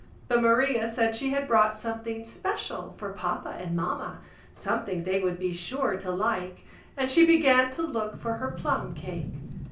But Maria said she had brought something special for papa and mamma, something they would be sure to like, and she began to look for her plumcake.